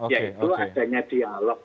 yaitu adanya dialog